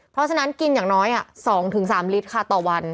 เพราะฉะนั้นกินอย่างน้อย๒๓ลิตรค่ะต่อวัน